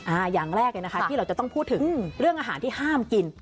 อย่างแรกเลยนะคะที่เราจะต้องพูดถึงเรื่องอาหารที่ห้ามกิน